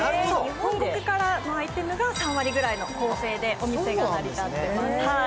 本国からのアイテムが３割ぐらいの構成でお店が成り立っています。